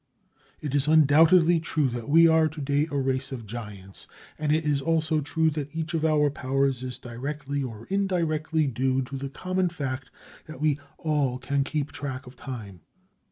It is undoubtedly true that we are to day a race of giants, and it is also true that each of our powers is directly or indirectly due to the common fact that we all can keep track of time.